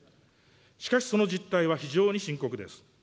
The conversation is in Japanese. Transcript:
しかしその実態は非常に深刻です。